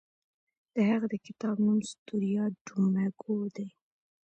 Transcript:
د هغه د کتاب نوم ستوریا ډو مګور دی.